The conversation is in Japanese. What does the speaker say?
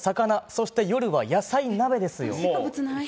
そして夜は野菜鍋ですよ。